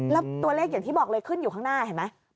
แล้วตัวเลขอย่างที่บอกเลยขึ้นอยู่ข้างหน้าเห็นไหม